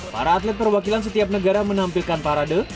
para atlet perwakilan setiap negara menampilkan parade